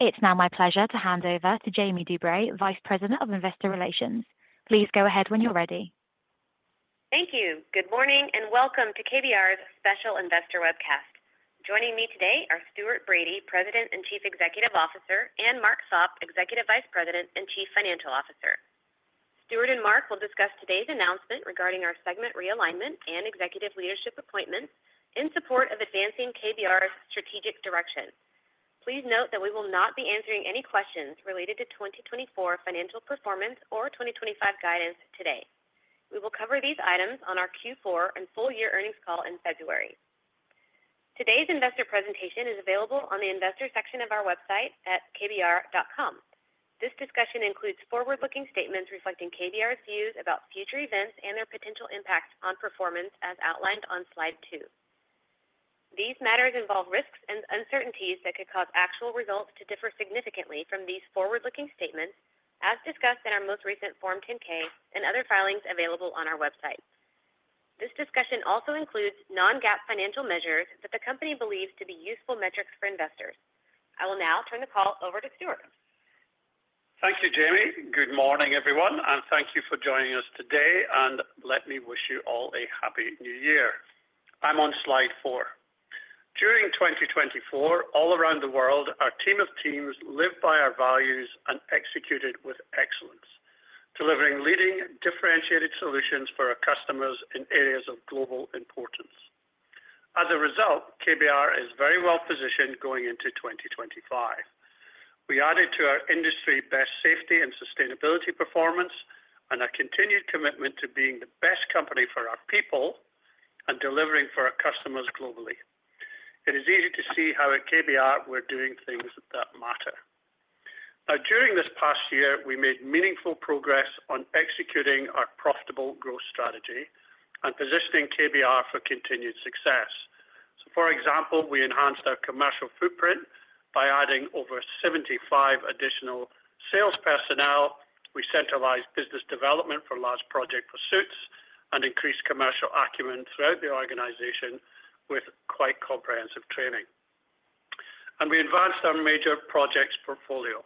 It's now my pleasure to hand over to Jamie DuBray, Vice President of Investor Relations. Please go ahead when you're ready. Thank you. Good morning and welcome to KBR's special investor webcast. Joining me today are Stuart Bradie, President and Chief Executive Officer, and Mark Sopp, Executive Vice President and Chief Financial Officer. Stuart and Mark will discuss today's announcement regarding our segment realignment and executive leadership appointments in support of advancing KBR's strategic direction. Please note that we will not be answering any questions related to 2024 financial performance or 2025 guidance today. We will cover these items on our Q4 and full-year earnings call in February. Today's investor presentation is available on the investor section of our website at kbr.com. This discussion includes forward-looking statements reflecting KBR's views about future events and their potential impact on performance, as outlined on slide two. These matters involve risks and uncertainties that could cause actual results to differ significantly from these forward-looking statements, as discussed in our most recent Form 10-K and other filings available on our website. This discussion also includes Non-GAAP financial measures that the company believes to be useful metrics for investors. I will now turn the call over to Stuart. Thank you, Jamie. Good morning, everyone, and thank you for joining us today, and let me wish you all a Happy New Year. I'm on slide four. During 2024, all around the world, our team of teams lived by our values and executed with excellence, delivering leading, differentiated solutions for our customers in areas of global importance. As a result, KBR is very well positioned going into 2025. We added to our industry-best safety and sustainability performance and our continued commitment to being the best company for our people and delivering for our customers globally. It is easy to see how at KBR we're doing things that matter. Now, during this past year, we made meaningful progress on executing our profitable growth strategy and positioning KBR for continued success, so for example, we enhanced our commercial footprint by adding over 75 additional sales personnel. We centralized business development for large project pursuits and increased commercial acumen throughout the organization with quite comprehensive training, and we advanced our major projects portfolio.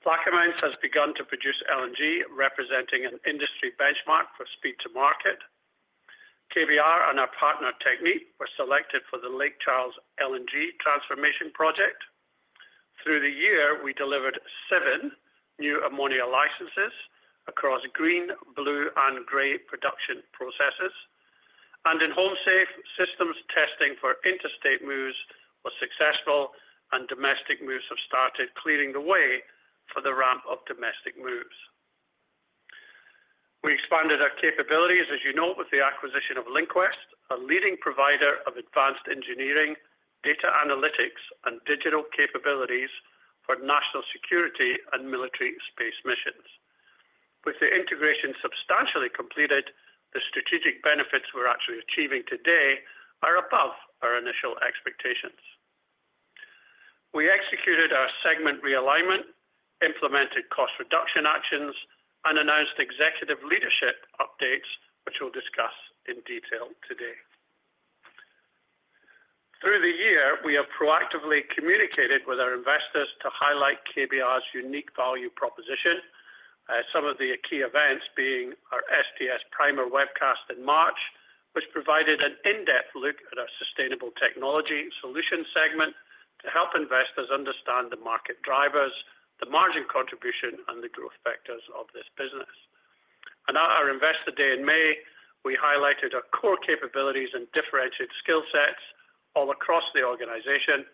Plaquemines has begun to produce LNG, representing an industry benchmark for speed to market. KBR and our partner, Technip, were selected for the Lake Charles LNG transformation project. Through the year, we delivered seven new ammonia licenses across green, blue, and gray production processes, and in HomeSafe, systems testing for interstate moves was successful, and domestic moves have started clearing the way for the ramp of domestic moves. We expanded our capabilities, as you know, with the acquisition of LinQuest, a leading provider of advanced engineering, data analytics, and digital capabilities for national security and military space missions. With the integration substantially completed, the strategic benefits we're actually achieving today are above our initial expectations. We executed our segment realignment, implemented cost reduction actions, and announced executive leadership updates, which we'll discuss in detail today. Through the year, we have proactively communicated with our investors to highlight KBR's unique value proposition, some of the key events being our STS Primer webcast in March, which provided an in-depth look at our Sustainable Technology Solutions segment to help investors understand the market drivers, the margin contribution, and the growth factors of this business. And at our investor day in May, we highlighted our core capabilities and differentiated skill sets all across the organization.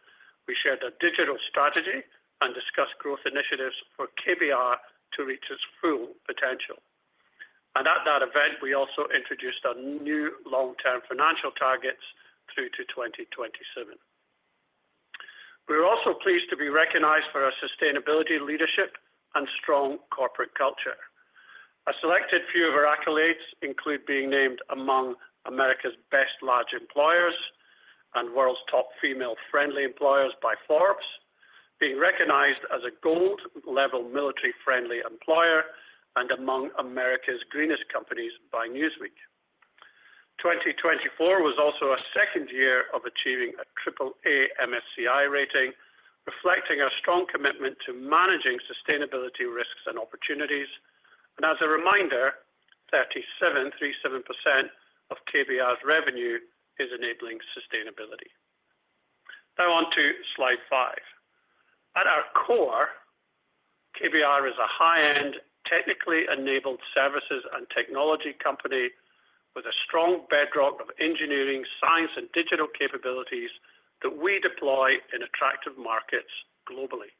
We shared our digital strategy and discussed growth initiatives for KBR to reach its full potential. And at that event, we also introduced our new long-term financial targets through to 2027. We're also pleased to be recognized for our sustainability leadership and strong corporate culture. A selected few of our accolades include being named among America's Best Large Employers and World's Top Female-Friendly Employers by Forbes, being recognized as a gold-level Military Friendly employer, and among America's Greenest Companies by Newsweek. 2024 was also a second year of achieving a triple-A MSCI rating, reflecting our strong commitment to managing sustainability risks and opportunities, and as a reminder, 37% of KBR's revenue is enabling sustainability. Now on to slide five. At our core, KBR is a high-end, technically enabled services and technology company with a strong bedrock of engineering, science, and digital capabilities that we deploy in attractive markets globally.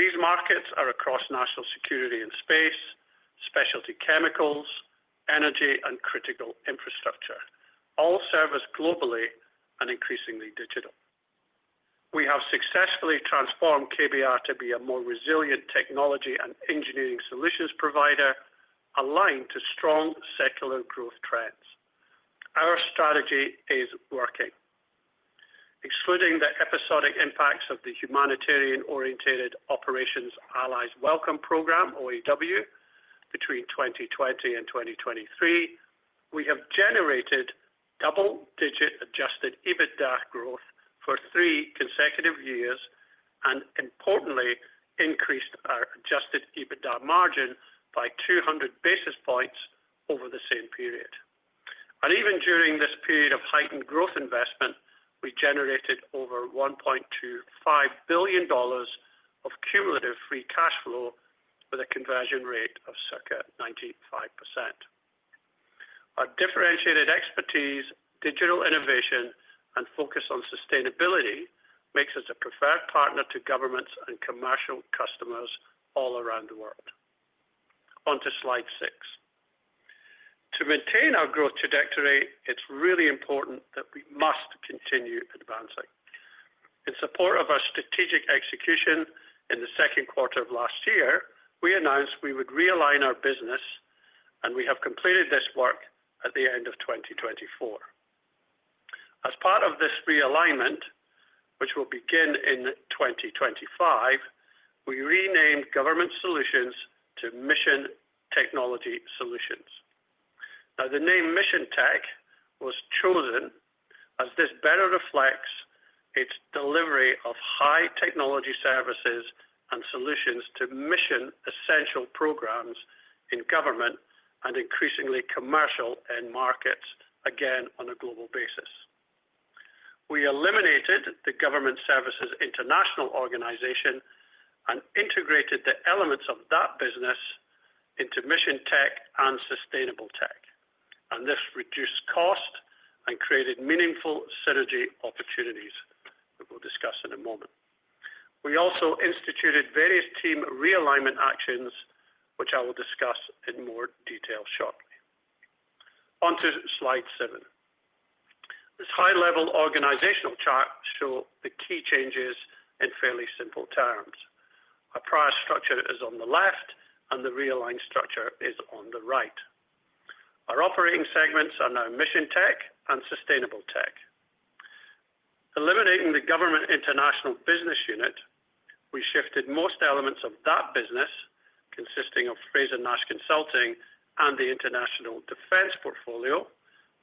These markets are across national security and space, specialty chemicals, energy, and critical infrastructure. All serve globally and increasingly digital. We have successfully transformed KBR to be a more resilient technology and engineering solutions provider aligned to strong secular growth trends. Our strategy is working. Excluding the episodic impacts of the humanitarian-oriented Operations Allies Welcome Program, OAW, between 2020 and 2023, we have generated double-digit adjusted EBITDA growth for three consecutive years and, importantly, increased our adjusted EBITDA margin by 200 basis points over the same period, and even during this period of heightened growth investment, we generated over $1.25 billion of cumulative free cash flow with a conversion rate of circa 95%. Our differentiated expertise, digital innovation, and focus on sustainability makes us a preferred partner to governments and commercial customers all around the world. On to slide six. To maintain our growth trajectory, it's really important that we must continue advancing. In support of our strategic execution in the second quarter of last year, we announced we would realign our business, and we have completed this work at the end of 2024. As part of this realignment, which will begin in 2025, we renamed Government Solutions to Mission Technology Solutions. Now, the name Mission Tech was chosen as this better reflects its delivery of high-technology services and solutions to mission-essential programs in government and increasingly commercial end markets, again on a global basis. We eliminated the Government Services International organization and integrated the elements of that business into Mission Tech and Sustainable Tech, and this reduced cost and created meaningful synergy opportunities that we'll discuss in a moment. We also instituted various team realignment actions, which I will discuss in more detail shortly. On to slide seven. This high-level organizational chart shows the key changes in fairly simple terms. Our prior structure is on the left, and the realigned structure is on the right. Our operating segments are now Mission Tech and Sustainable Tech. Eliminating the Government International business unit, we shifted most elements of that business, consisting of Frazer-Nash Consultancy and the international defense portfolio,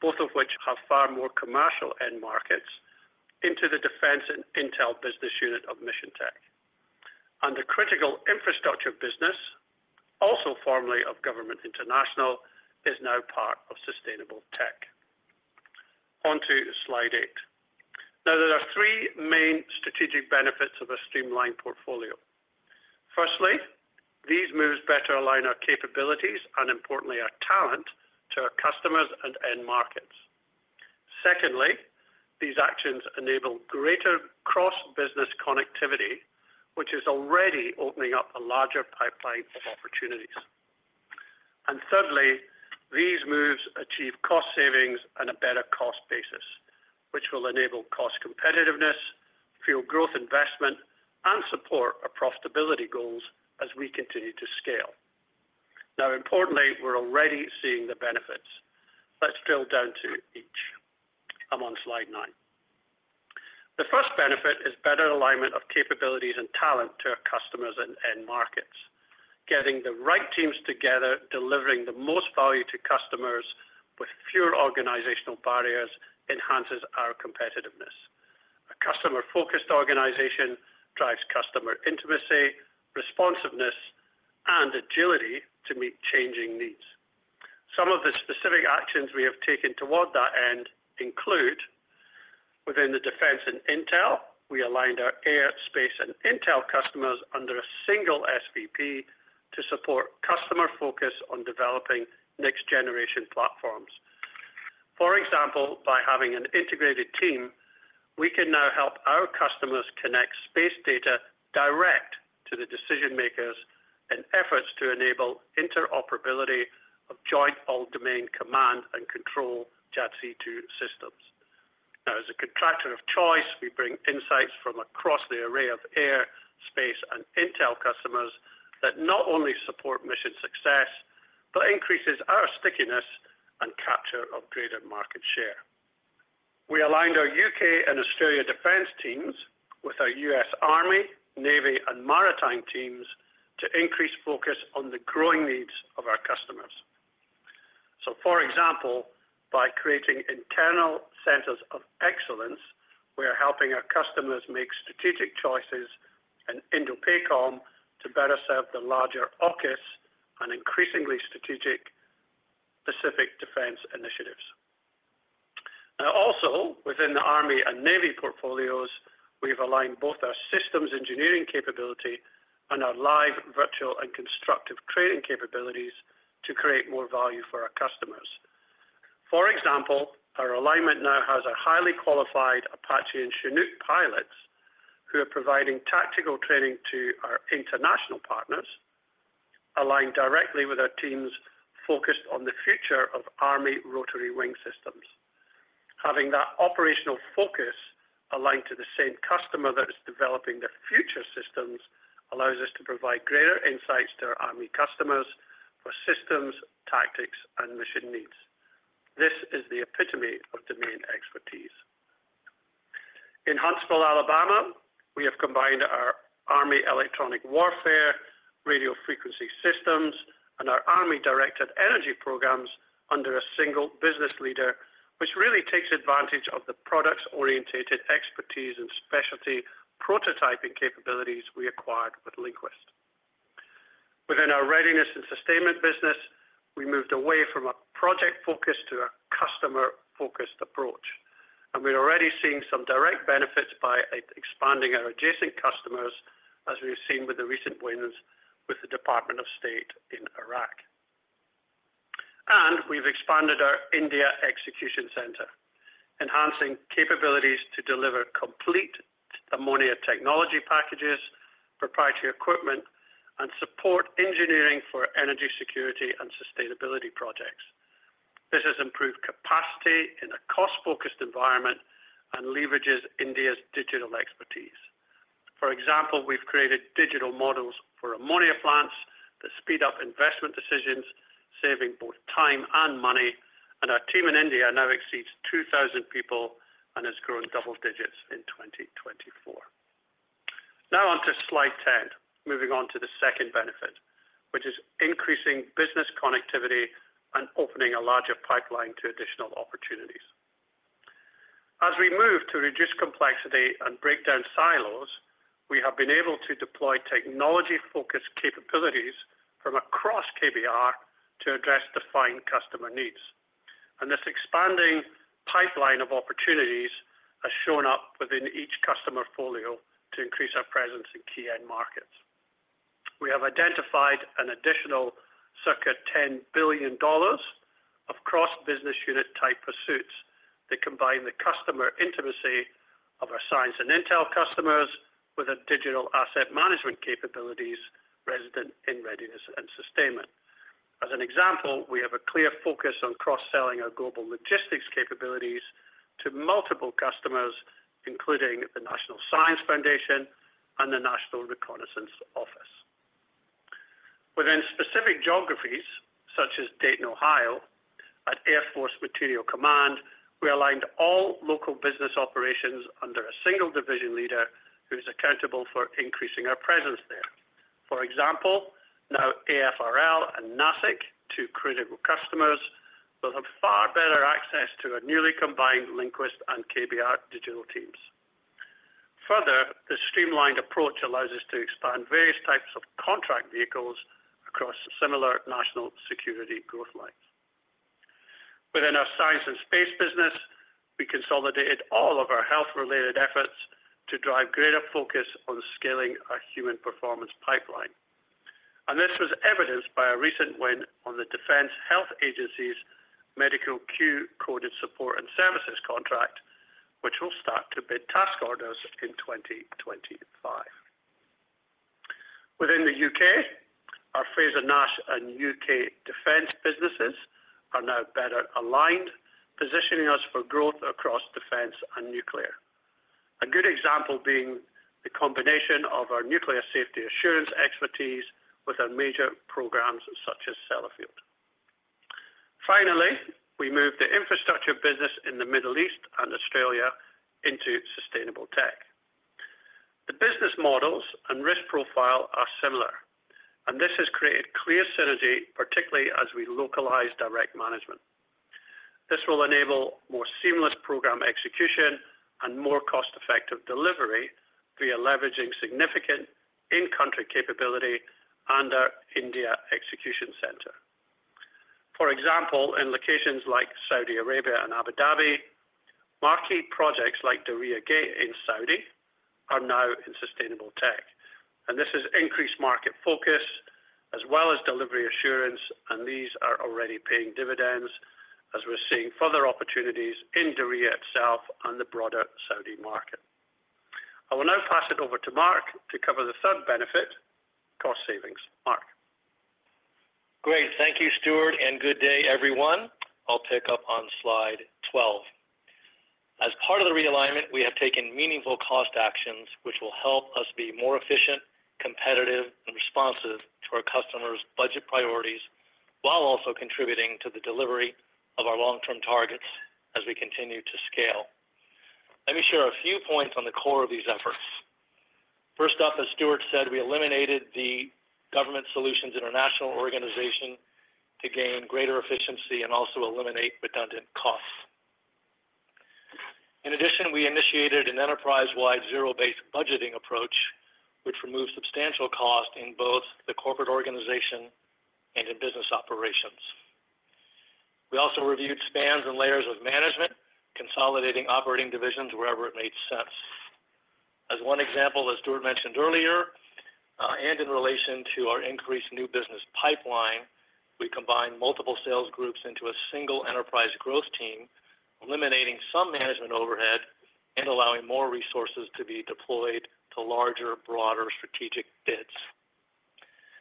both of which have far more commercial end markets, into the Defense and Intel business unit of Mission Tech. And the critical infrastructure business, also formerly of Government International, is now part of Sustainable Tech. On to slide eight. Now, there are three main strategic benefits of a streamlined portfolio. Firstly, these moves better align our capabilities and, importantly, our talent to our customers and end markets. Secondly, these actions enable greater cross-business connectivity, which is already opening up a larger pipeline of opportunities. And thirdly, these moves achieve cost savings and a better cost basis, which will enable cost competitiveness, fuel growth investment, and support our profitability goals as we continue to scale. Now, importantly, we're already seeing the benefits. Let's drill down to each. I'm on slide nine. The first benefit is better alignment of capabilities and talent to our customers and end markets. Getting the right teams together, delivering the most value to customers with fewer organizational barriers enhances our competitiveness. A customer-focused organization drives customer intimacy, responsiveness, and agility to meet changing needs. Some of the specific actions we have taken toward that end include, within the Defense and Intel, we aligned our air, space, and intel customers under a single SVP to support customer focus on developing next-generation platforms. For example, by having an integrated team, we can now help our customers connect space data direct to the decision-makers in efforts to enable interoperability of Joint All-Domain Command and Control JADC2 systems. Now, as a contractor of choice, we bring insights from across the array of air, space, and intel customers that not only support mission success, but increases our stickiness and capture of greater market share. We aligned our U.K. and Australia defense teams with our U.S. Army, Navy, and Maritime teams to increase focus on the growing needs of our customers, so for example, by creating internal centers of excellence, we are helping our customers make strategic choices in INDOPACOM to better serve the larger AUKUS and increasingly strategic Pacific defense initiatives. Now, also, within the Army and Navy portfolios, we've aligned both our systems engineering capability and our live virtual and constructive training capabilities to create more value for our customers. For example, our alignment now has our highly qualified Apache and Chinook pilots who are providing tactical training to our international partners, aligned directly with our teams focused on the future of Army rotary wing systems. Having that operational focus aligned to the same customer that is developing the future systems allows us to provide greater insights to our Army customers for systems, tactics, and mission needs. This is the epitome of domain expertise. In Huntsville, Alabama, we have combined our Army electronic warfare, radio frequency systems, and our Army directed energy programs under a single business leader, which really takes advantage of the product-oriented expertise and specialty prototyping capabilities we acquired with LinQuest. Within our Readiness and Sustainment business, we moved away from a project-focused to a customer-focused approach. We're already seeing some direct benefits by expanding our adjacent customers, as we've seen with the recent wins with the U.S. Department of State in Iraq. We've expanded our India execution center, enhancing capabilities to deliver complete ammonia technology packages, proprietary equipment, and support engineering for energy security and sustainability projects. This has improved capacity in a cost-focused environment and leverages India's digital expertise. For example, we've created digital models for ammonia plants that speed up investment decisions, saving both time and money. Our team in India now exceeds 2,000 people and has grown double digits in 2024. Now on to slide 10, moving on to the second benefit, which is increasing business connectivity and opening a larger pipeline to additional opportunities. As we move to reduce complexity and break down silos, we have been able to deploy technology-focused capabilities from across KBR to address defined customer needs. This expanding pipeline of opportunities has shown up within each customer folio to increase our presence in key end markets. We have identified an additional circa $10 billion of cross-business unit type pursuits that combine the customer intimacy of our science and intel customers with our digital asset management capabilities resident in Readiness and Sustainment. As an example, we have a clear focus on cross-selling our global logistics capabilities to multiple customers, including the National Science Foundation and the National Reconnaissance Office. Within specific geographies, such as Dayton, Ohio, at Air Force Materiel Command, we aligned all local business operations under a single division leader who is accountable for increasing our presence there. For example, now AFRL and NASIC, two critical customers, will have far better access to our newly combined LinQuest and KBR digital teams. Further, the streamlined approach allows us to expand various types of contract vehicles across similar national security growth lines. Within our Science and Space business, we consolidated all of our health-related efforts to drive greater focus on scaling our human performance pipeline. And this was evidenced by a recent win on the Defense Health Agency's Medical Q-Coded Support and Services contract, which will start to bid task orders in 2025. Within the U.K., our Frazer-Nash and U.K. defense businesses are now better aligned, positioning us for growth across defense and nuclear. A good example being the combination of our nuclear safety assurance expertise with our major programs such as Sellafield. Finally, we moved the infrastructure business in the Middle East and Australia into Sustainable Tech. The business models and risk profile are similar, and this has created clear synergy, particularly as we localize direct management. This will enable more seamless program execution and more cost-effective delivery via leveraging significant in-country capability and our India execution center. For example, in locations like Saudi Arabia and Abu Dhabi, marquee projects like Diriyah Gate in Saudi are now in Sustainable Tech, and this has increased market focus as well as delivery assurance, and these are already paying dividends as we're seeing further opportunities in Diriyah itself and the broader Saudi market. I will now pass it over to Mark to cover the third benefit, cost savings. Mark. Great. Thank you, Stuart, and good day, everyone. I'll pick up on slide 12. As part of the realignment, we have taken meaningful cost actions, which will help us be more efficient, competitive, and responsive to our customers' budget priorities while also contributing to the delivery of our long-term targets as we continue to scale. Let me share a few points on the core of these efforts. First up, as Stuart said, we eliminated the Government Solutions International organization to gain greater efficiency and also eliminate redundant costs. In addition, we initiated an enterprise-wide zero-based budgeting approach, which removed substantial costs in both the corporate organization and in business operations. We also reviewed spans and layers of management, consolidating operating divisions wherever it made sense. As one example, as Stuart mentioned earlier, and in relation to our increased new business pipeline, we combined multiple sales groups into a single enterprise growth team, eliminating some management overhead and allowing more resources to be deployed to larger, broader strategic bids.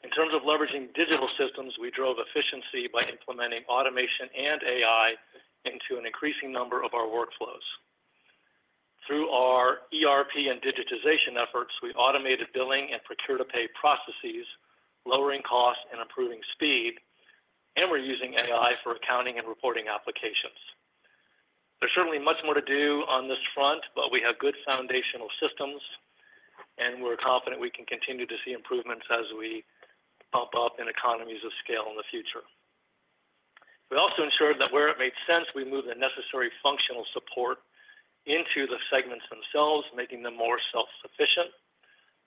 In terms of leveraging digital systems, we drove efficiency by implementing automation and AI into an increasing number of our workflows. Through our ERP and digitization efforts, we automated billing and procure-to-pay processes, lowering costs and improving speed, and we're using AI for accounting and reporting applications. There's certainly much more to do on this front, but we have good foundational systems, and we're confident we can continue to see improvements as we bump up in economies of scale in the future. We also ensured that where it made sense, we moved the necessary functional support into the segments themselves, making them more self-sufficient.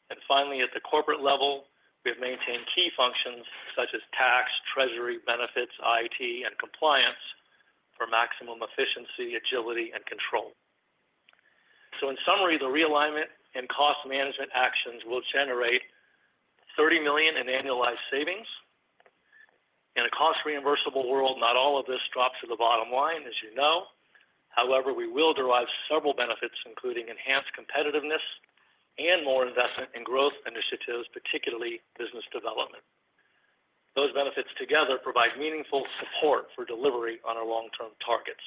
And finally, at the corporate level, we have maintained key functions such as tax, treasury, benefits, IT, and compliance for maximum efficiency, agility, and control. So, in summary, the realignment and cost management actions will generate $30 million in annualized savings. In a cost-reimbursable world, not all of this drops to the bottom line, as you know. However, we will derive several benefits, including enhanced competitiveness and more investment in growth initiatives, particularly business development. Those benefits together provide meaningful support for delivery on our long-term targets.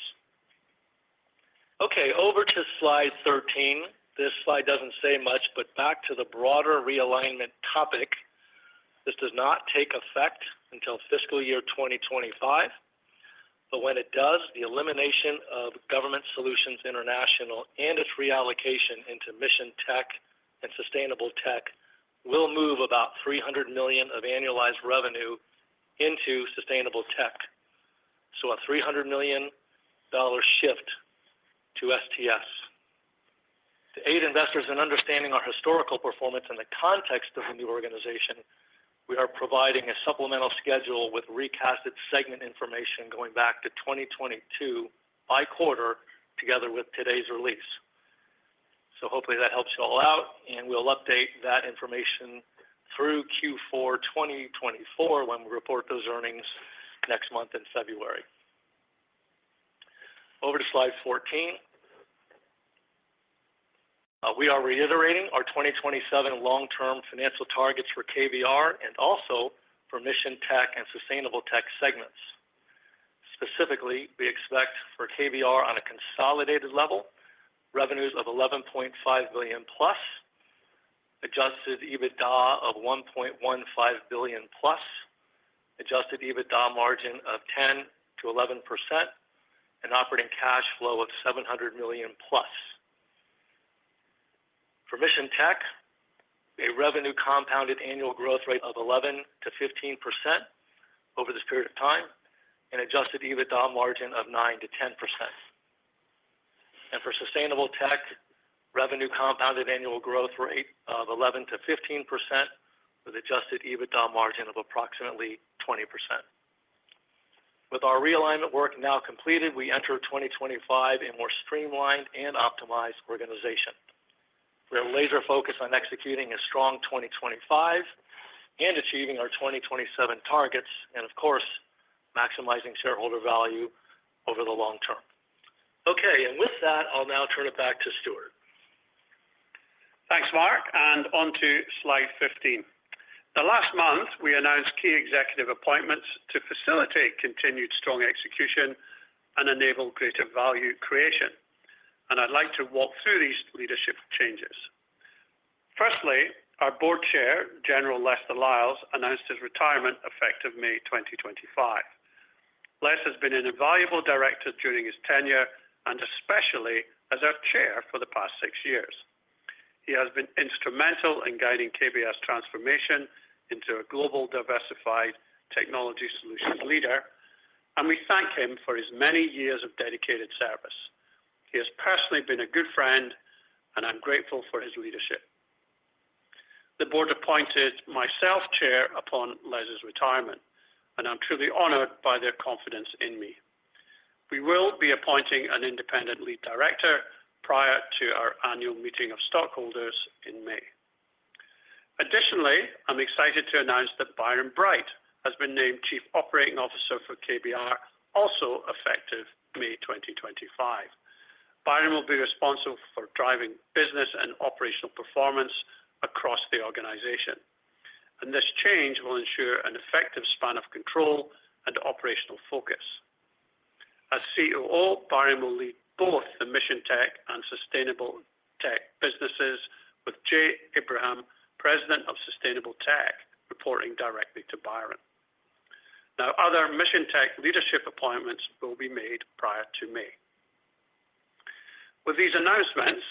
Okay, over to slide 13. This slide doesn't say much, but back to the broader realignment topic. This does not take effect until fiscal year 2025. But when it does, the elimination of Government Solutions International and its reallocation into Mission Tech and Sustainable Tech will move about $300 million of annualized revenue into Sustainable Tech. So, a $300 million shift to STS. To aid investors in understanding our historical performance in the context of the new organization, we are providing a supplemental schedule with recast segment information going back to 2022 by quarter, together with today's release. Hopefully, that helps you all out, and we'll update that information through Q4 2024 when we report those earnings next month in February. Over to slide 14. We are reiterating our 2027 long-term financial targets for KBR and also for Mission Tech and Sustainable Tech segments. Specifically, we expect for KBR on a consolidated level, revenues of $11.5 billion+, adjusted EBITDA of $1.15 billion+, adjusted EBITDA margin of 10%-11%, and operating cash flow of $700 million+. For Mission Tech, a revenue compounded annual growth rate of 11%-15% over this period of time and adjusted EBITDA margin of 9%-10%. And for Sustainable Tech, revenue compounded annual growth rate of 11%-15% with adjusted EBITDA margin of approximately 20%. With our realignment work now completed, we enter 2025 in more streamlined and optimized organization. We have a laser focus on executing a strong 2025 and achieving our 2027 targets and, of course, maximizing shareholder value over the long term. Okay, and with that, I'll now turn it back to Stuart. Thanks, Mark. And on to slide 15. Last month, we announced key executive appointments to facilitate continued strong execution and enable creative value creation. And I'd like to walk through these leadership changes. Firstly, our Board Chair, General Lester Lyles, announced his retirement effective May 2025. Les has been an invaluable Director during his tenure and especially as our Chair for the past six years. He has been instrumental in guiding KBR's transformation into a global diversified technology solutions leader, and we thank him for his many years of dedicated service. He has personally been a good friend, and I'm grateful for his leadership. The board appointed myself chair upon Les' retirement, and I'm truly honored by their confidence in me. We will be appointing an independent lead director prior to our annual meeting of stockholders in May. Additionally, I'm excited to announce that Byron Bright has been named Chief Operating Officer for KBR, also effective May 2025. Byron will be responsible for driving business and operational performance across the organization. And this change will ensure an effective span of control and operational focus. As COO, Byron will lead both the Mission Tech and Sustainable Tech businesses, with Jay Ibrahim, President of Sustainable Tech, reporting directly to Byron. Now, other Mission Tech leadership appointments will be made prior to May. With these announcements,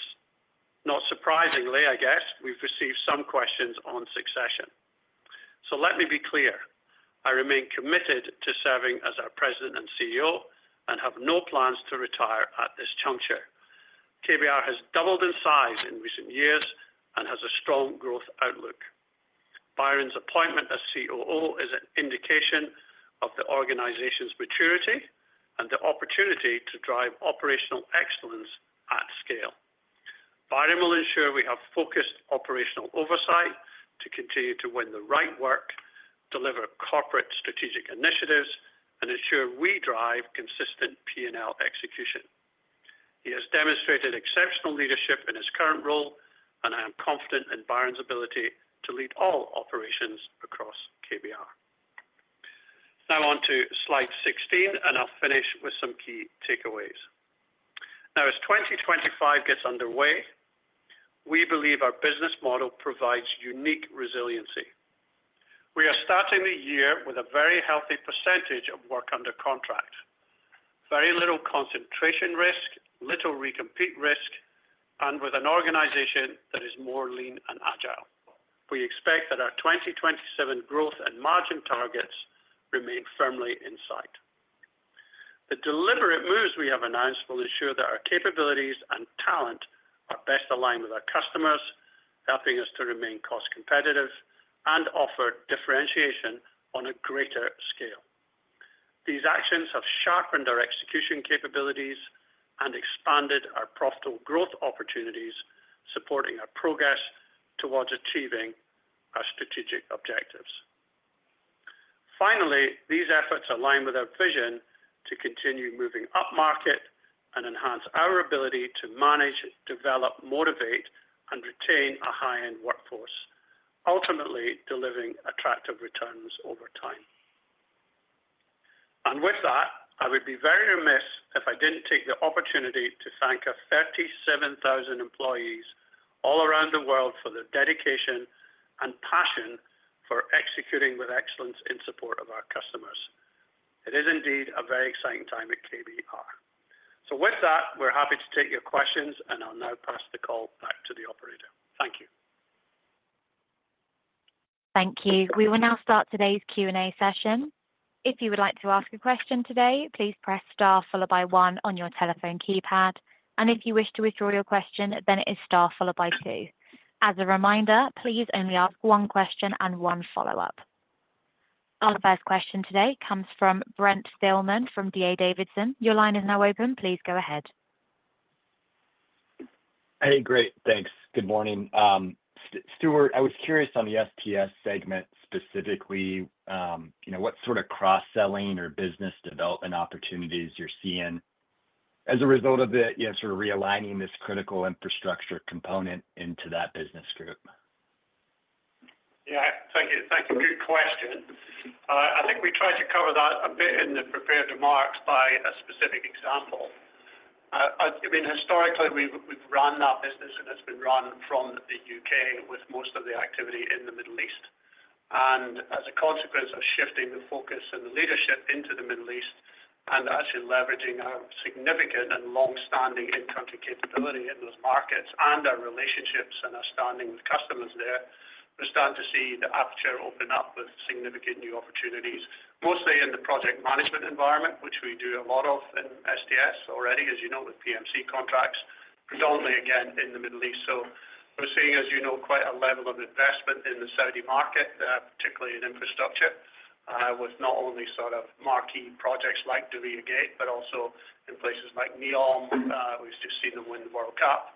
not surprisingly, I guess, we've received some questions on succession. So let me be clear. I remain committed to serving as our President and CEO and have no plans to retire at this juncture. KBR has doubled in size in recent years and has a strong growth outlook. Byron's appointment as COO is an indication of the organization's maturity and the opportunity to drive operational excellence at scale. Byron will ensure we have focused operational oversight to continue to win the right work, deliver corporate strategic initiatives, and ensure we drive consistent P&L execution. He has demonstrated exceptional leadership in his current role, and I am confident in Byron's ability to lead all operations across KBR. Now on to slide 16, and I'll finish with some key takeaways. Now, as 2025 gets underway, we believe our business model provides unique resiliency. We are starting the year with a very healthy percentage of work under contract, very little concentration risk, little recompete risk, and with an organization that is more lean and agile. We expect that our 2027 growth and margin targets remain firmly in sight. The deliberate moves we have announced will ensure that our capabilities and talent are best aligned with our customers, helping us to remain cost competitive and offer differentiation on a greater scale. These actions have sharpened our execution capabilities and expanded our profitable growth opportunities, supporting our progress towards achieving our strategic objectives. Finally, these efforts align with our vision to continue moving up market and enhance our ability to manage, develop, motivate, and retain a high-end workforce, ultimately delivering attractive returns over time. And with that, I would be very remiss if I didn't take the opportunity to thank our 37,000 employees all around the world for their dedication and passion for executing with excellence in support of our customers. It is indeed a very exciting time at KBR. So with that, we're happy to take your questions, and I'll now pass the call back to the operator. Thank you. Thank you. We will now start today's Q&A session. If you would like to ask a question today, please press star followed by one on your telephone keypad. And if you wish to withdraw your question, then it is star followed by two. As a reminder, please only ask one question and one follow-up. Our first question today comes from Brent Thielman from D.A. Davidson. Your line is now open. Please go ahead. Hey, great. Thanks. Good morning. Stuart, I was curious on the STS segment specifically, what sort of cross-selling or business development opportunities you're seeing as a result of the sort of realigning this critical infrastructure component into that business group? Yeah, thank you. Thank you. Good question. I think we tried to cover that a bit in the prepared remarks by a specific example. I mean, historically, we've run our business, and it's been run from the U.K. with most of the activity in the Middle East. As a consequence of shifting the focus and the leadership into the Middle East and actually leveraging our significant and long-standing in-country capability in those markets and our relationships and our standing with customers there, we're starting to see the aperture open up with significant new opportunities, mostly in the project management environment, which we do a lot of in STS already, as you know, with PMC contracts, predominantly again in the Middle East. We're seeing, as you know, quite a level of investment in the Saudi market, particularly in infrastructure, with not only sort of marquee projects like Diriyah Gate, but also in places like NEOM. We've just seen them win the World Cup.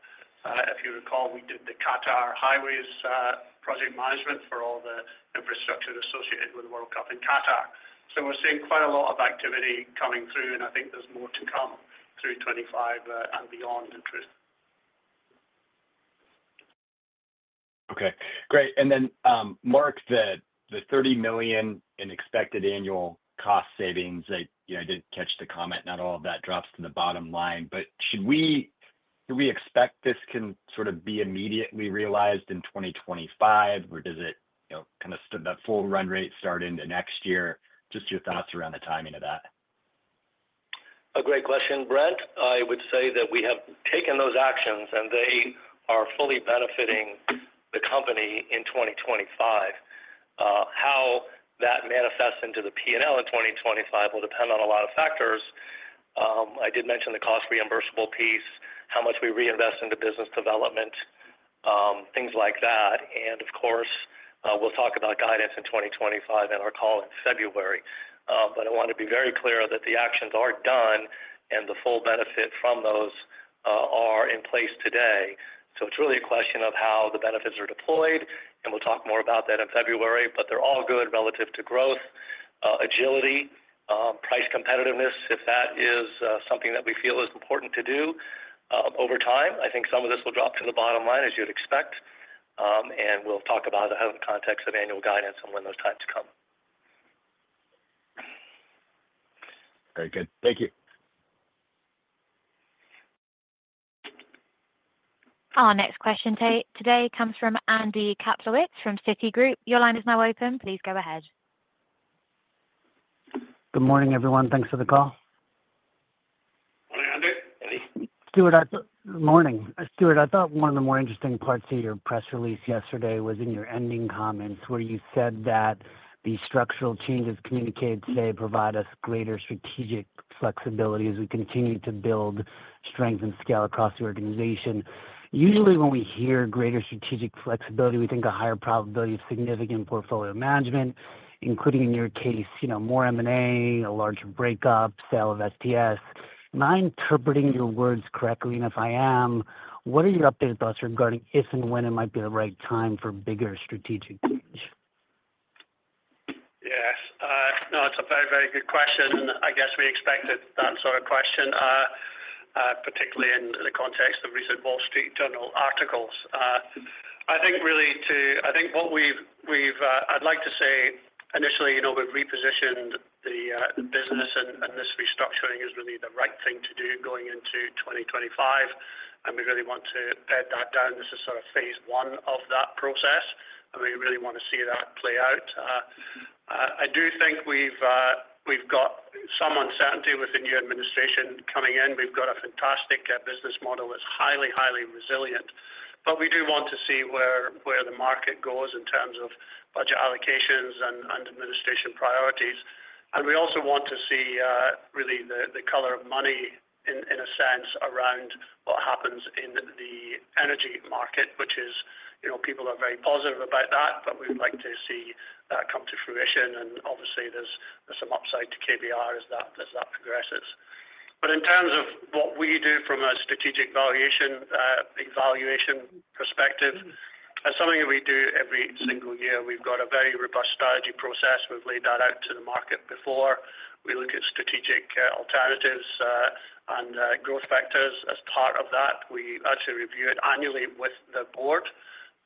If you recall, we did the Qatar Highways project management for all the infrastructure associated with the World Cup in Qatar. So we're seeing quite a lot of activity coming through, and I think there's more to come through 2025 and beyond. Okay, great. And then, Mark, the $30 million in expected annual cost savings, I didn't catch the comment, not all of that drops to the bottom line. But should we expect this can sort of be immediately realized in 2025, or does it kind of that full run rate start into next year? Just your thoughts around the timing of that. A great question, Brent. I would say that we have taken those actions, and they are fully benefiting the company in 2025. How that manifests into the P&L in 2025 will depend on a lot of factors. I did mention the cost-reimbursable piece, how much we reinvest into business development, things like that. And of course, we'll talk about guidance in 2025 in our call in February. But I want to be very clear that the actions are done and the full benefit from those are in place today. So it's really a question of how the benefits are deployed, and we'll talk more about that in February. But they're all good relative to growth, agility, price competitiveness, if that is something that we feel is important to do over time. I think some of this will drop to the bottom line, as you'd expect. And we'll talk about it in the context of annual guidance and when those times come. Very good. Thank you. Our next question today comes from Andrew Kaplowitz from Citigroup. Your line is now open. Please go ahead. Good morning, everyone. Thanks for the call. Morning, Andrew. Stuart, I thought morning. Stuart, I thought one of the more interesting parts of your press release yesterday was in your ending comments, where you said that the structural changes communicated today provide us greater strategic flexibility as we continue to build strength and scale across the organization. Usually, when we hear greater strategic flexibility, we think a higher probability of significant portfolio management, including in your case, more M&A, a larger breakup, sale of STS. Am I interpreting your words correctly? And if I am, what are your updated thoughts regarding if and when it might be the right time for bigger strategic change? Yes. No, it's a very, very good question. I guess we expected that sort of question, particularly in the context of recent Wall Street Journal articles. I think what I'd like to say initially, we've repositioned the business, and this restructuring is really the right thing to do going into 2025, and we really want to bed that down. This is sort of phase one of that process, and we really want to see that play out. I do think we've got some uncertainty with the new administration coming in. We've got a fantastic business model that's highly, highly resilient, but we do want to see where the market goes in terms of budget allocations and administration priorities. And we also want to see really the color of money, in a sense, around what happens in the energy market, which is people are very positive about that, but we'd like to see that come to fruition. And obviously, there's some upside to KBR as that progresses. But in terms of what we do from a strategic valuation perspective, that's something that we do every single year. We've got a very robust strategy process. We've laid that out to the market before. We look at strategic alternatives and growth factors as part of that. We actually review it annually with the board.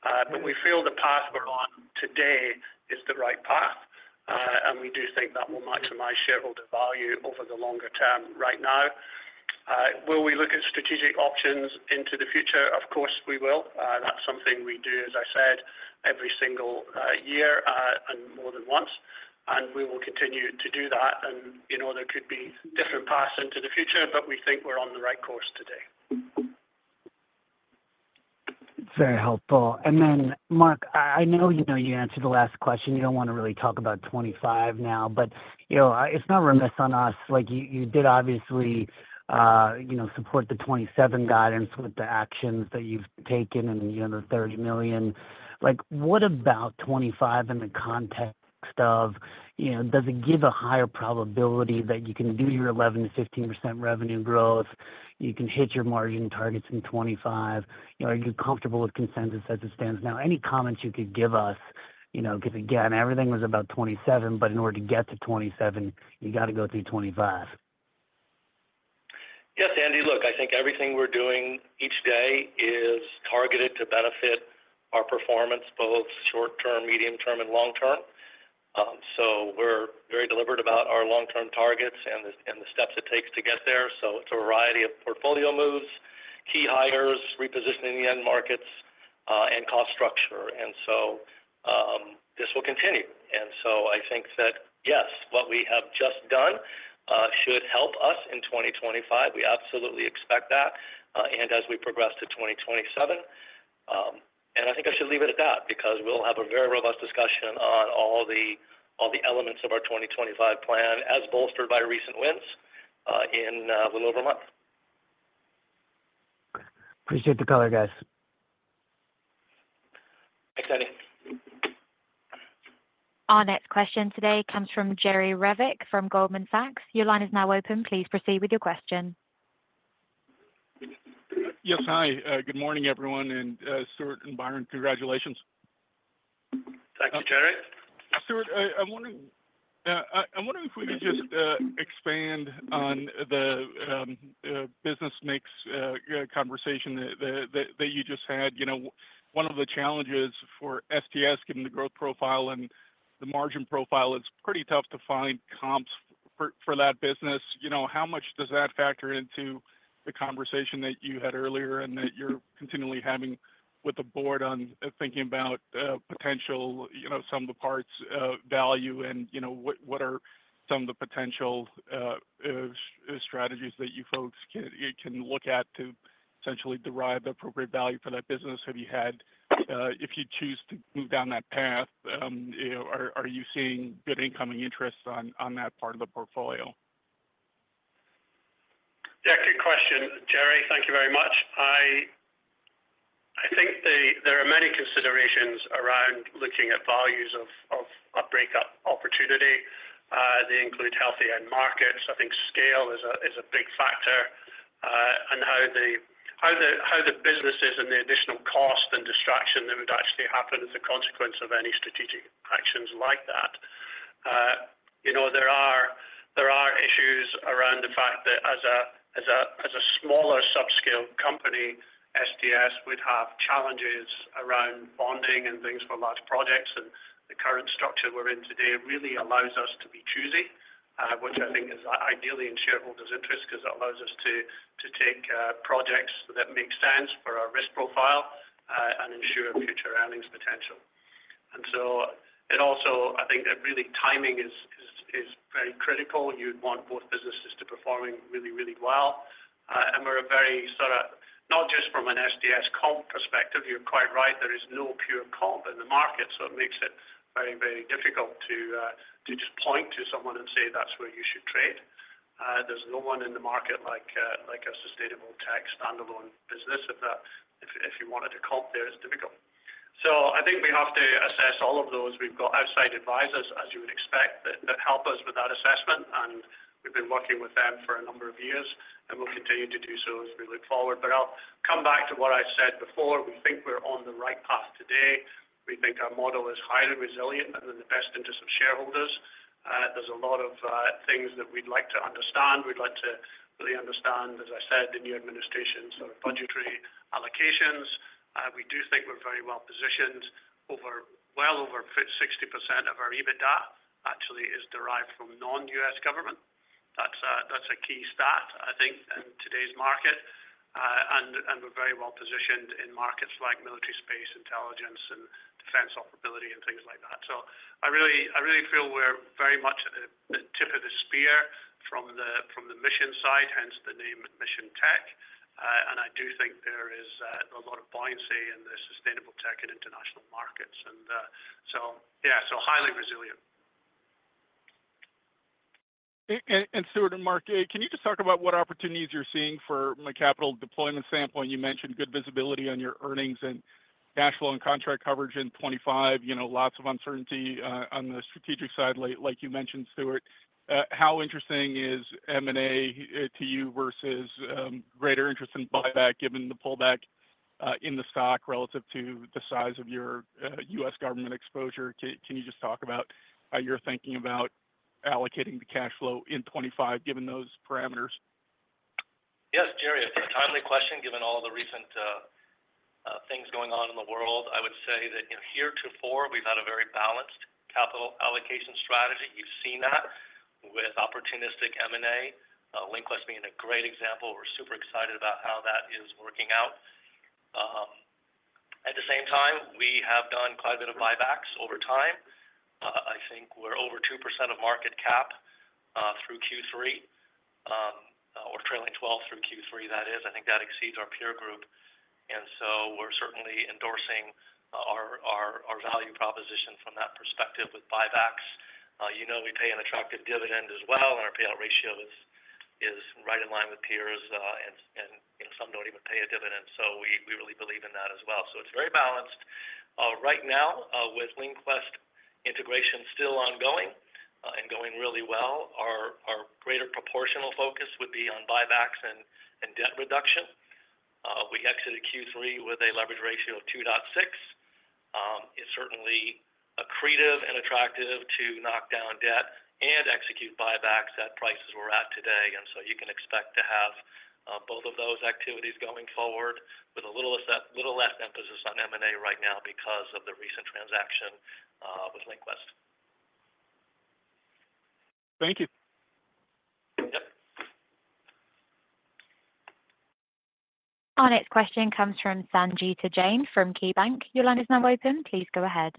But we feel the path we're on today is the right path. And we do think that will maximize shareholder value over the longer term right now. Will we look at strategic options into the future? Of course, we will. That's something we do, as I said, every single year and more than once. And we will continue to do that. And there could be different paths into the future, but we think we're on the right course today. Very helpful. And then, Mark, I know you answered the last question. You don't want to really talk about 2025 now, but it's not remiss on us. You did obviously support the 2027 guidance with the actions that you've taken and the $30 million. What about 2025 in the context of does it give a higher probability that you can do your 11%-15% revenue growth? You can hit your margin targets in 2025. Are you comfortable with consensus as it stands now? Any comments you could give us? Because again, everything was about 2027, but in order to get to 2027, you got to go through 2025. Yes, Andy. Look, I think everything we're doing each day is targeted to benefit our performance, both short-term, medium-term, and long-term. So we're very deliberate about our long-term targets and the steps it takes to get there. It's a variety of portfolio moves, key hires, repositioning the end markets, and cost structure. And so this will continue. And so I think that, yes, what we have just done should help us in 2025. We absolutely expect that. And as we progress to 2027, and I think I should leave it at that because we'll have a very robust discussion on all the elements of our 2025 plan as bolstered by recent wins in a little over a month. Appreciate the color, guys. Our next question today comes from Jerry Revich from Goldman Sachs. Your line is now open. Please proceed with your question. Yes, hi. Good morning, everyone. And Stuart and Byron, congratulations. Thank you, Jerry. Stuart, I'm wondering if we could just expand on the business mix conversation that you just had. One of the challenges for STS, given the growth profile and the margin profile, it's pretty tough to find comps for that business. How much does that factor into the conversation that you had earlier and that you're continually having with the board on thinking about potential, some of the parts value, and what are some of the potential strategies that you folks can look at to essentially derive the appropriate value for that business? Have you had, if you choose to move down that path, are you seeing good incoming interest on that part of the portfolio? Yeah, good question, Jerry. Thank you very much. I think there are many considerations around looking at values of breakup opportunity. They include healthy end markets. I think scale is a big factor and how the businesses and the additional cost and distraction that would actually happen as a consequence of any strategic actions like that. There are issues around the fact that as a smaller subscale company, STS would have challenges around funding and things for large projects, and the current structure we're in today really allows us to be choosy, which I think is ideally in shareholders' interest because it allows us to take projects that make sense for our risk profile and ensure future earnings potential, and so it also, I think, that really timing is very critical. You'd want both businesses to be performing really, really well, and we're a very sort of not just from an STS comp perspective. You're quite right. There is no pure comp in the market. So it makes it very, very difficult to just point to someone and say, "That's where you should trade." There's no one in the market like a Sustainable Tech standalone business. If you wanted to comp there, it's difficult. So I think we have to assess all of those. We've got outside advisors, as you would expect, that help us with that assessment. And we've been working with them for a number of years, and we'll continue to do so as we look forward. But I'll come back to what I said before. We think we're on the right path today. We think our model is highly resilient and in the best interest of shareholders. There's a lot of things that we'd like to understand. We'd like to really understand, as I said, the new administration's sort of budgetary allocations. We do think we're very well positioned. Well over 60% of our EBITDA actually is derived from non-U.S. government. That's a key stat, I think, in today's market. And we're very well positioned in markets like military space, intelligence, and defense operability and things like that. So I really feel we're very much at the tip of the spear from the mission side, hence the name Mission Tech. And I do think there is a lot of buoyancy in the Sustainable Tech and international markets. And so, yeah, so highly resilient. And Stuart and Mark, can you just talk about what opportunities you're seeing from a capital deployment standpoint? You mentioned good visibility on your earnings and cash flow and contract coverage in 2025. Lots of uncertainty on the strategic side, like you mentioned, Stuart. How interesting is M&A to you versus greater interest in buyback given the pullback in the stock relative to the size of your U.S. government exposure? Can you just talk about how you're thinking about allocating the cash flow in 2025, given those parameters? Yes, Jerry. It's a timely question. Given all the recent things going on in the world, I would say that heretofore, we've had a very balanced capital allocation strategy. You've seen that with opportunistic M&A. LinQuest being a great example. We're super excited about how that is working out. At the same time, we have done quite a bit of buybacks over time. I think we're over 2% of market cap through Q3 or trailing 12 through Q3, that is. I think that exceeds our peer group. And so we're certainly endorsing our value proposition from that perspective with buybacks. We pay an attractive dividend as well, and our payout ratio is right in line with peers. And some don't even pay a dividend. So we really believe in that as well. So it's very balanced. Right now, with LinQuest integration still ongoing and going really well, our greater proportional focus would be on buybacks and debt reduction. We exited Q3 with a leverage ratio of 2.6. It's certainly accretive and attractive to knock down debt and execute buybacks at prices we're at today. And so you can expect to have both of those activities going forward with a little less emphasis on M&A right now because of the recent transaction with LinQuest. Thank you. Our next question comes from Sangita Jain from KeyBanc. Your line is now open. Please go ahead.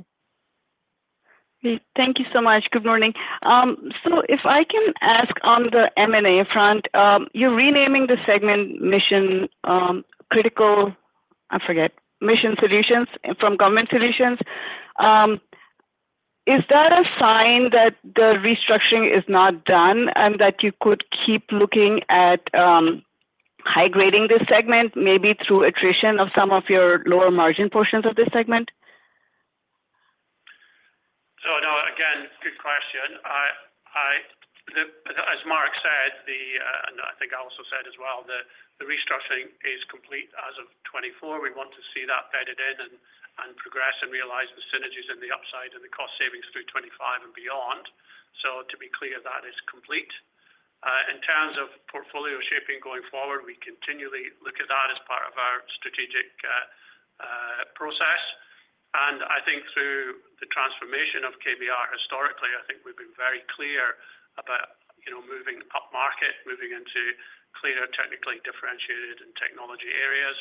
Thank you so much. Good morning. So if I can ask on the M&A front, you're renaming the segment Mission Technology Solutions from Government Solutions. Is that a sign that the restructuring is not done and that you could keep looking at high-grading this segment, maybe through attrition of some of your lower margin portions of this segment? So no, again, good question. As Mark said, and I think I also said as well, the restructuring is complete as of 2024. We want to see that bedded in and progress and realize the synergies and the upside and the cost savings through 2025 and beyond. So to be clear, that is complete. In terms of portfolio shaping going forward, we continually look at that as part of our strategic process. I think through the transformation of KBR historically, I think we've been very clear about moving up market, moving into cleaner, technically differentiated and technology areas.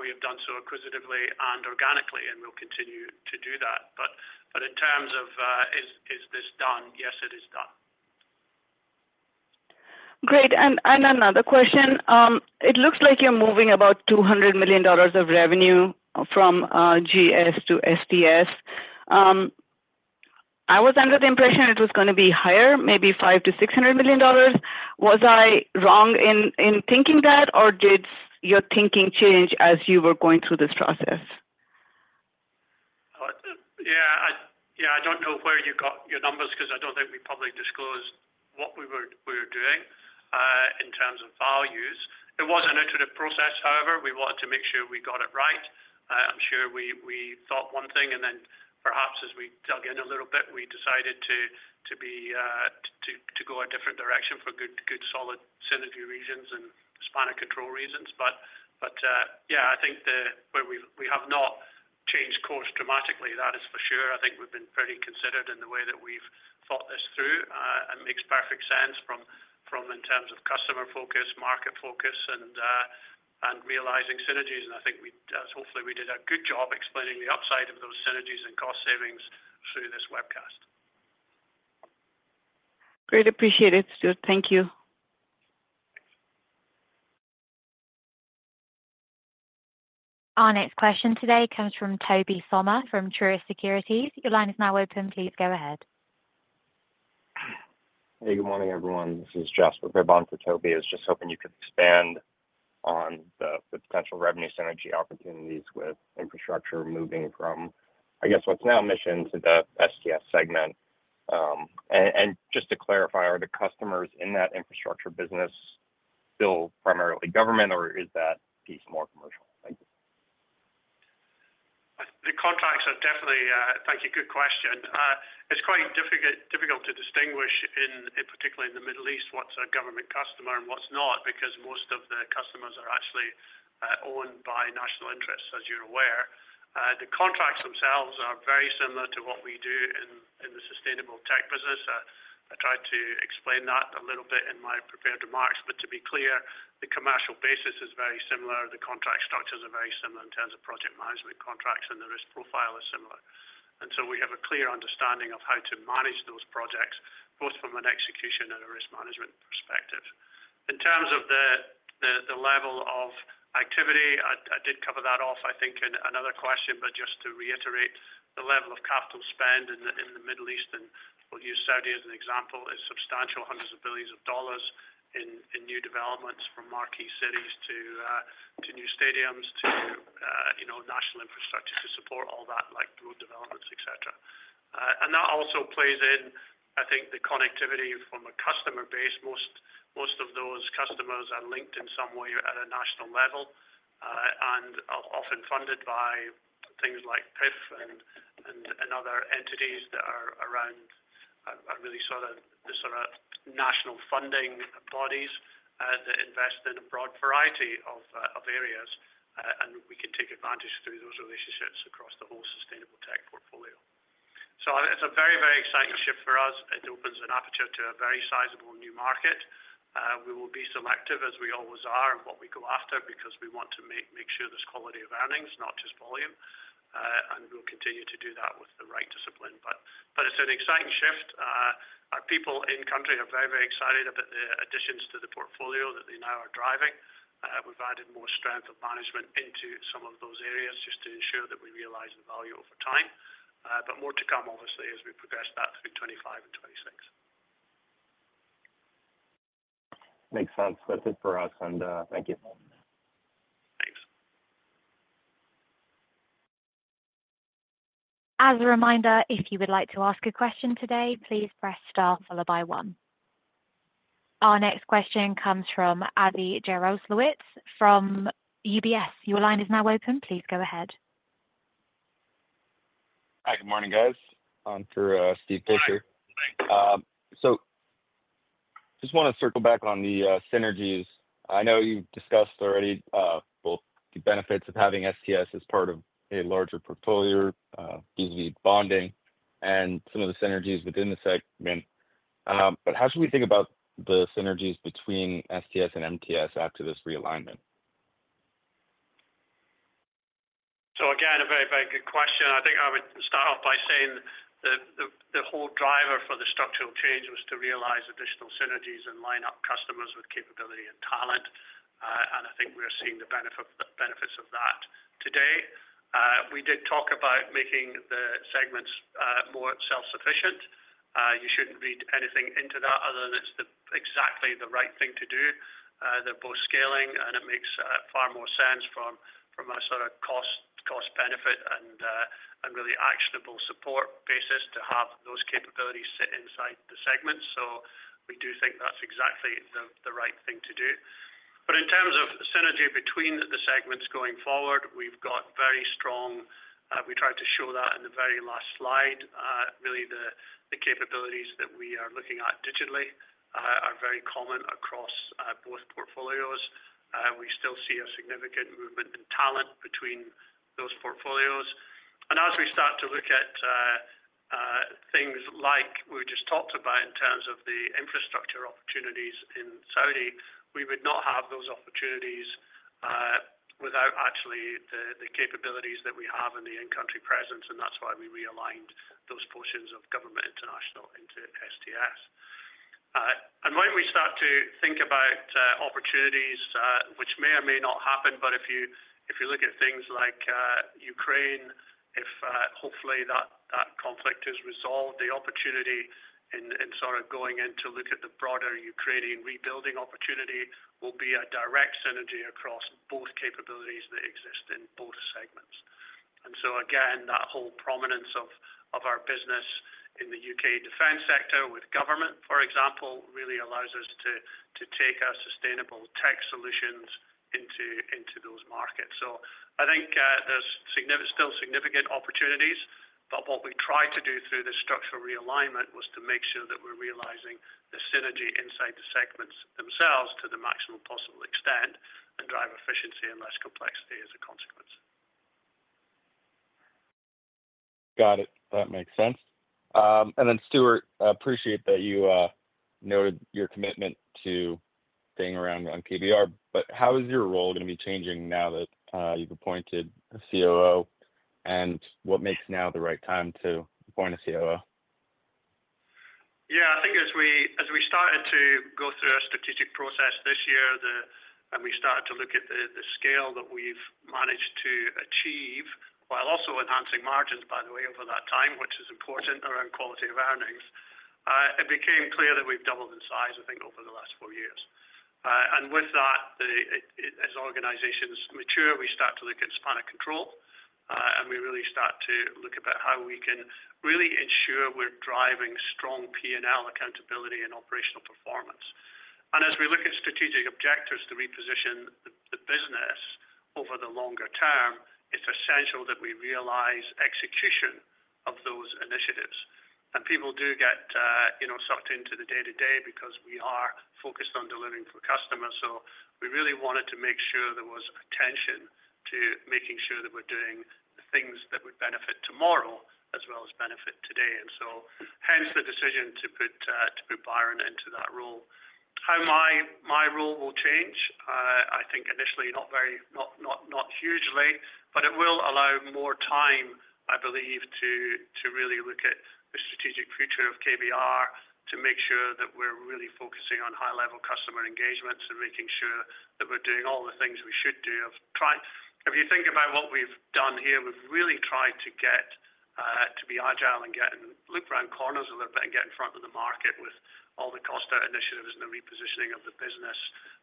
We have done so acquisitively and organically, and we'll continue to do that. In terms of, is this done? Yes, it is done. Great. Another question. It looks like you're moving about $200 million of revenue from GS to STS. I was under the impression it was going to be higher, maybe $500 million-$600 million. Was I wrong in thinking that, or did your thinking change as you were going through this process? Yeah, I don't know where you got your numbers because I don't think we publicly disclosed what we were doing in terms of values. It was an iterative process, however. We wanted to make sure we got it right. I'm sure we thought one thing, and then perhaps as we dug in a little bit, we decided to go a different direction for good, solid synergy reasons and span of control reasons, but yeah, I think we have not changed course dramatically. That is for sure. I think we've been pretty considerate in the way that we've thought this through. It makes perfect sense from in terms of customer focus, market focus, and realizing synergies, and I think hopefully we did a good job explaining the upside of those synergies and cost savings through this webcast. Great. Appreciate it, Stuart. Thank you. Our next question today comes from Tobey Sommer from Truist Securities. Your line is now open. Please go ahead. Hey, good morning, everyone. This is Jasper Bibb on for Tobey. I was just hoping you could expand on the potential revenue synergy opportunities with infrastructure moving from, I guess, what's now Mission to the STS segment. And just to clarify, are the customers in that infrastructure business still primarily government, or is that piece more commercial? Thank you. The contracts are definitely. Thank you. Good question. It's quite difficult to distinguish, particularly in the Middle East, what's a government customer and what's not, because most of the customers are actually owned by national interests, as you're aware. The contracts themselves are very similar to what we do in the Sustainable Tech business. I tried to explain that a little bit in my prepared remarks, but to be clear, the commercial basis is very similar. The contract structures are very similar in terms of project management contracts, and the risk profile is similar. And so we have a clear understanding of how to manage those projects, both from an execution and a risk management perspective. In terms of the level of activity, I did cover that off, I think, in another question, but just to reiterate, the level of capital spend in the Middle East, and we'll use Saudi as an example, is substantial, hundreds of billions of dollars in new developments from marquee cities to new stadiums to national infrastructure to support all that, like road developments, etc. And that also plays in, I think, the connectivity from a customer base. Most of those customers are linked in some way at a national level and often funded by things like PIF and other entities that are around really sort of the national funding bodies that invest in a broad variety of areas. We can take advantage through those relationships across the whole Sustainable Tech portfolio. So it's a very, very exciting shift for us. It opens an aperture to a very sizable new market. We will be selective, as we always are, in what we go after because we want to make sure there's quality of earnings, not just volume. And we'll continue to do that with the right discipline. But it's an exciting shift. Our people in country are very, very excited about the additions to the portfolio that they now are driving. We've added more strength of management into some of those areas just to ensure that we realize the value over time. But more to come, obviously, as we progress that through 2025 and 2026. Makes sense. That's it for us, and thank you. Thanks. As a reminder, if you would like to ask a question today, please press star followed by one. Our next question comes from Avi Jaroslawicz from UBS. Your line is now now open. Please go ahead. Hi, good morning, guys. I'm for. So just want to circle back on the synergies. I know you've discussed already both the benefits of having STS as part of a larger portfolio, easy bonding, and some of the synergies within the segment. But how should we think about the synergies between STS and MTS after this realignment? So again, a very, very good question. I think I would start off by saying that the whole driver for the structural change was to realize additional synergies and line up customers with capability and talent. And I think we're seeing the benefits of that today. We did talk about making the segments more self-sufficient. You shouldn't read anything into that other than it's exactly the right thing to do. They're both scaling, and it makes far more sense from a sort of cost-benefit and really actionable support basis to have those capabilities sit inside the segments. So we do think that's exactly the right thing to do. But in terms of synergy between the segments going forward, we've got very strong. We tried to show that in the very last slide. Really, the capabilities that we are looking at digitally are very common across both portfolios. We still see a significant movement in talent between those portfolios. And as we start to look at things like we've just talked about in terms of the infrastructure opportunities in Saudi, we would not have those opportunities without actually the capabilities that we have in the in-country presence. And that's why we realigned those portions of Government International into STS. And when we start to think about opportunities, which may or may not happen, but if you look at things like Ukraine, if hopefully that conflict is resolved, the opportunity in sort of going in to look at the broader Ukrainian rebuilding opportunity will be a direct synergy across both capabilities that exist in both segments. And so again, that whole prominence of our business in the U.K. defense sector with government, for example, really allows us to take our Sustainable Tech solutions into those markets. So I think there's still significant opportunities. But what we tried to do through this structural realignment was to make sure that we're realizing the synergy inside the segments themselves to the maximum possible extent and drive efficiency and less complexity as a consequence. Got it. That makes sense. And then, Stuart, I appreciate that you noted your commitment to staying around on KBR. But how is your role going to be changing now that you've appointed a COO? And what makes now the right time to appoint a COO? Yeah, I think as we started to go through our strategic process this year and we started to look at the scale that we've managed to achieve, while also enhancing margins, by the way, over that time, which is important around quality of earnings, it became clear that we've doubled in size, I think, over the last four years. With that, as organizations mature, we start to look at span of control. We really start to look at how we can really ensure we're driving strong P&L accountability and operational performance. And as we look at strategic objectives to reposition the business over the longer term, it's essential that we realize execution of those initiatives. And people do get sucked into the day-to-day because we are focused on delivering for customers. So we really wanted to make sure there was attention to making sure that we're doing things that would benefit tomorrow as well as benefit today. And so hence the decision to put Byron into that role. How my role will change? I think initially not hugely, but it will allow more time, I believe, to really look at the strategic future of KBR to make sure that we're really focusing on high-level customer engagements and making sure that we're doing all the things we should do. If you think about what we've done here, we've really tried to get to be agile and look around corners a little bit and get in front of the market with all the cost initiatives and the repositioning of the business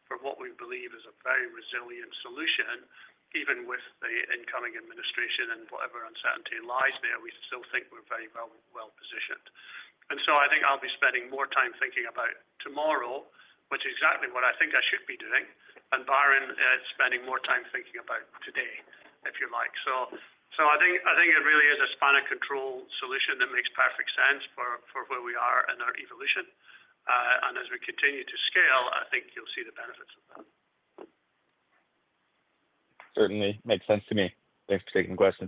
for what we believe is a very resilient solution, even with the incoming administration and whatever uncertainty lies there, we still think we're very well positioned. And so I think I'll be spending more time thinking about tomorrow, which is exactly what I think I should be doing, and Byron spending more time thinking about today, if you like. So I think it really is a span of control solution that makes perfect sense for where we are and our evolution. And as we continue to scale, I think you'll see the benefits of that. Certainly makes sense to me. Thanks for taking the question.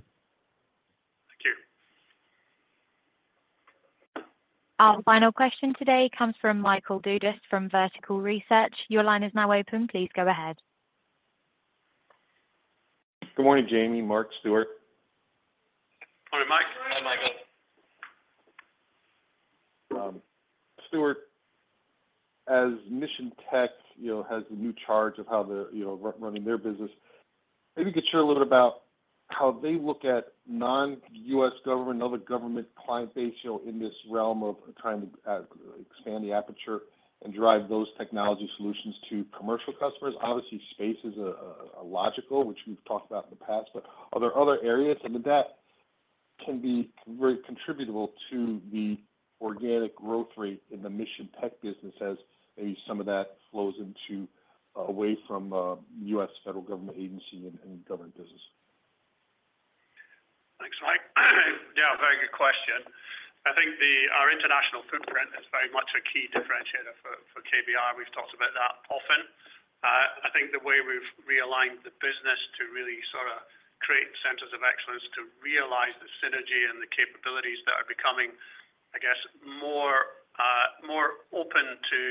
Thank you. Our final question today comes from Michael Dudas from Vertical Research. Your line is now open. Please go ahead. Good morning, Jamie, Mark, Stuart. Morning, Mike. Hi, Michael. Stuart, as Mission Tech has the new charge of running their business, maybe you could share a little bit about how they look at non-U.S. government, other government client base in this realm of trying to expand the aperture and drive those technology solutions to commercial customers. Obviously, space is a logical, which we've talked about in the past, but are there other areas, and that can be very contributable to the organic growth rate in the Mission Tech business as maybe some of that flows away from U.S. federal government agency and government business. Thanks, Mike. Yeah, very good question. I think our international footprint is very much a key differentiator for KBR. We've talked about that often. I think the way we've realigned the business to really sort of create centers of excellence to realize the synergy and the capabilities that are becoming, I guess, more open to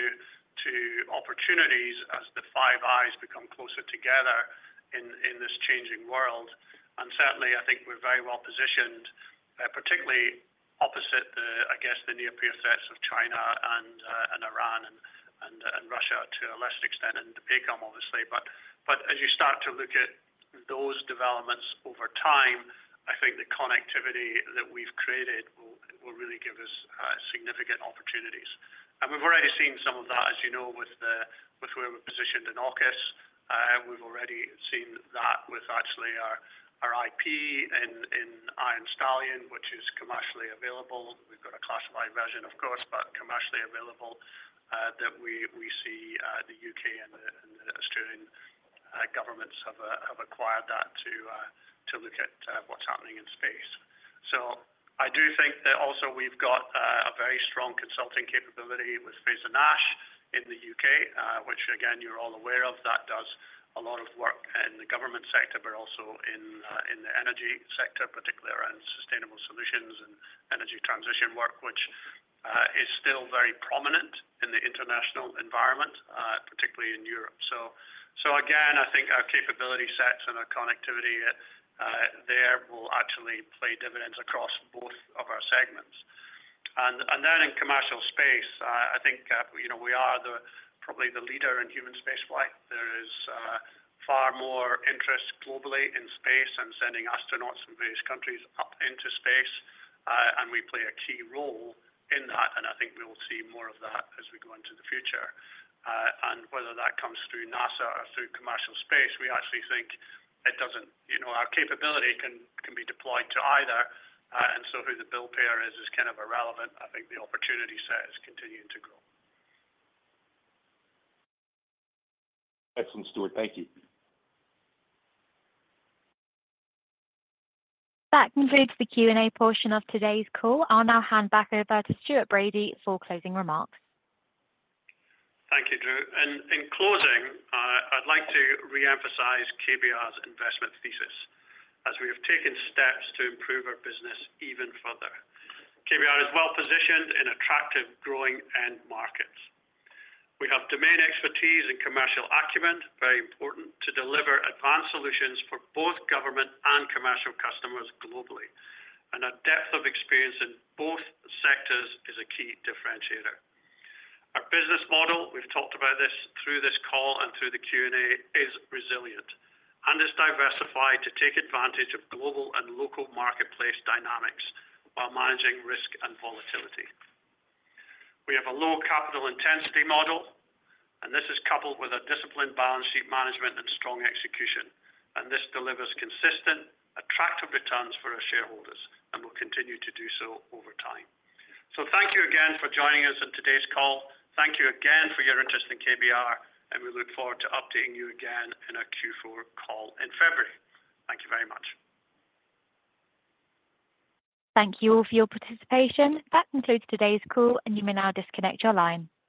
opportunities as the Five Eyes become closer together in this changing world. And certainly, I think we're very well positioned, particularly opposite, I guess, the near-peer threats of China and Iran and Russia to a lesser extent in the PACOM, obviously. But as you start to look at those developments over time, I think the connectivity that we've created will really give us significant opportunities. And we've already seen some of that, as you know, with where we're positioned in AUKUS. We've already seen that with actually our IP in Iron Stallion, which is commercially available. We've got a classified version, of course, but commercially available that we see the U.K. and the Australian governments have acquired that to look at what's happening in space. So I do think that also we've got a very strong consulting capability with Frazer-Nash in the U.K., which, again, you're all aware of. That does a lot of work in the government sector, but also in the energy sector, particularly around sustainable solutions and energy transition work, which is still very prominent in the international environment, particularly in Europe. So again, I think our capability sets and our connectivity there will actually play dividends across both of our segments. And then in commercial space, I think we are probably the leader in human spaceflight. There is far more interest globally in space and sending astronauts from various countries up into space. We play a key role in that. I think we will see more of that as we go into the future. Whether that comes through NASA or through commercial space, we actually think it doesn't. Our capability can be deployed to either. Who the billpayer is is kind of irrelevant. I think the opportunity set is continuing to grow. Excellent, Stuart. Thank you. That concludes the Q&A portion of today's call. I'll now hand back over to Stuart Bradie for closing remarks. Thank you, Drew. In closing, I'd like to reemphasize KBR's investment thesis as we have taken steps to improve our business even further. KBR is well positioned in attractive growing end markets. We have domain expertise and commercial acumen, very important to deliver advanced solutions for both government and commercial customers globally. And our depth of experience in both sectors is a key differentiator. Our business model, we've talked about this through this call and through the Q&A, is resilient and is diversified to take advantage of global and local marketplace dynamics while managing risk and volatility. We have a low capital intensity model, and this is coupled with a disciplined balance sheet management and strong execution. And this delivers consistent, attractive returns for our shareholders and will continue to do so over time. So thank you again for joining us in today's call. Thank you again for your interest in KBR, and we look forward to updating you again in our Q4 call in February. Thank you very much. Thank you all for your participation. That concludes today's call, and you may now disconnect your line.